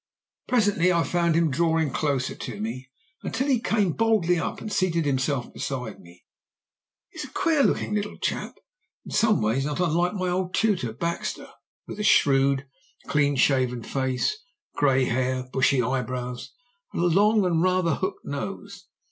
Presently I found him drawing closer to me, until he came boldly up and seated himself beside me. He was a queer looking little chap, in some ways not unlike my old tutor Baxter, with a shrewd, clean shaven face, grey hair, bushy eyebrows, and a long and rather hooked nose.